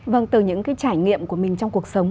vâng từ những cái trải nghiệm của mình trong cuộc sống